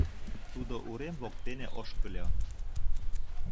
— Тудо урем воктене ошкыльо.